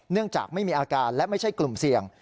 เนื่องจากไม่มีอาการและไม่ใช่กลุ่มเสี่ยง